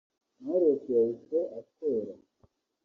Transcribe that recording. Knowless yahise atera